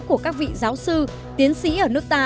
của các vị giáo sư tiến sĩ ở nước ta